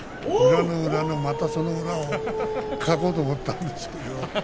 裏の裏のまたその裏をかこうと思ったんですけどね